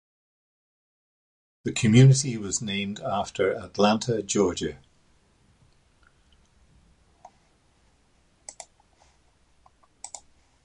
The community was named after Atlanta, Georgia.